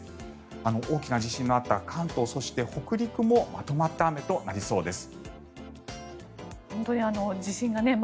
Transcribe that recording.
大きな地震のあった関東そして北陸もまとまった雨となりそうです。